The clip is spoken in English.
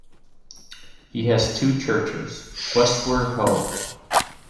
It has two churches, Westward Ho!